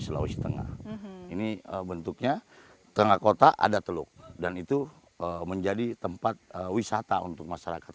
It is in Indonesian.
sulawesi tengah ini bentuknya tengah kota ada teluk dan itu menjadi tempat wisata untuk masyarakat